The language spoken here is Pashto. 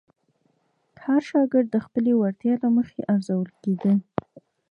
هر شاګرد د خپلې وړتیا له مخې ارزول کېده.